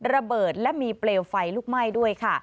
ระเบิดและมีเปลวไฟลุกไหม้ด้วยค่ะ